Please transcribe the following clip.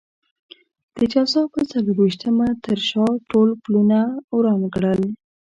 د جوزا پر څلور وېشتمه تر شا ټول پلونه وران کړئ.